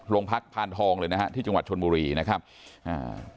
พานทองเลยนะฮะที่จังหวัดชนบุรีนะครับอ่า